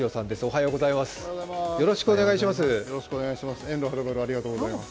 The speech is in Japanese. よろしくお願いします。